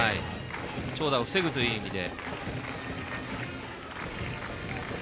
長打を防ぐという意味で。